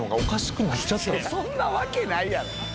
そんなわけないやろ。